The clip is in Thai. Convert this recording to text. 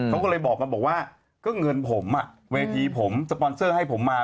เขาก็เลยบอกกันบอกว่าก็เงินผมอ่ะเวทีผมสปอนเซอร์ให้ผมมา